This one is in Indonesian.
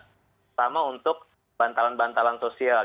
pertama untuk bantalan bantalan sosial